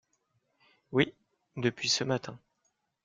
Oui, depuis ce matin.